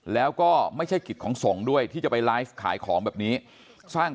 แล้วก็ไม่ใช่กิจของสงฆ์ด้วยที่จะไปไลฟ์ขายของแบบนี้สร้าง